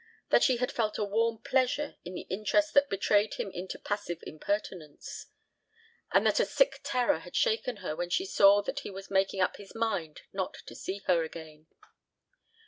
That she had felt a warm pleasure in the interest that betrayed him into positive impertinence, and that a sick terror had shaken her when she saw that he was making up his mind not to see her again.